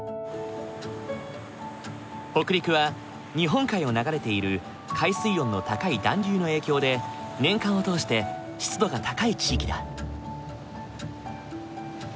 北陸は日本海を流れている海水温の高い暖流の影響で年間を通して湿度が高い地域だ。